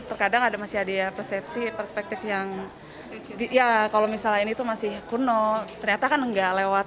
terkadang ada masih ada persepsi perspektif yang ya kalau misalnya ini tuh masih kuno ternyata kan nggak lewat